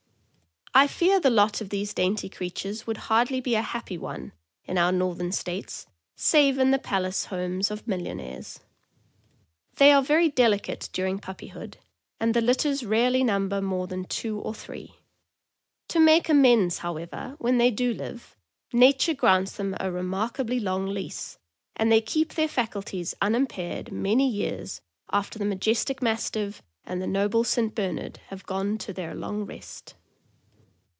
I fear the lot of these dainty creatures would hardly be a happy one in our Northern States, save in the palace homes of millionaires. They are very delicate during pup pyhood, and the litters rarely number more than two or three. To make amends, however, when they do live, nature grants them a remarkably long lease, and they keep their faculties unimpaired many years after the majestic Mastiff and the noble St. Bernard have gone to their long rest.